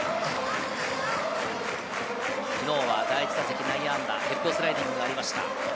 昨日は第１打席、内野安打、ヘッドスライディングがありました。